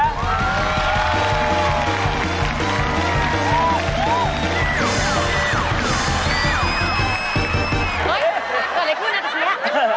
เฮ้ยเกิดอะไรขึ้นนะตรงนี้